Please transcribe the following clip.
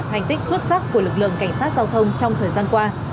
thành tích xuất sắc của lực lượng cảnh sát giao thông trong thời gian qua